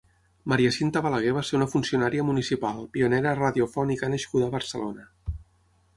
Maria Cinta Balagué va ser una funcionària municipal, pionera radiofònica nascuda a Barcelona.